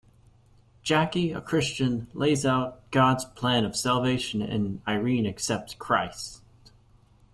Jackie, a Christian, lays out God's plan of salvation, and Irene accepts Christ.